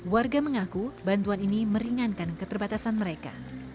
warga mengaku bantuan ini meringankan keterbatasan mereka